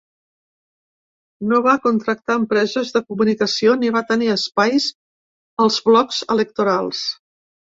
No va contractar empreses de comunicació ni va tenir espais als blocs electorals.